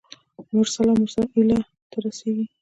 مرسل او مرسل الیه ته رسیږي.